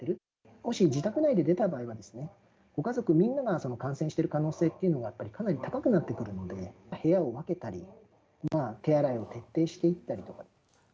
もし自宅内で出た場合は、ご家族みんなが感染している可能性というのがやっぱりかなり高くなってくるので、部屋を分けたり、手洗いを徹底していったりとか。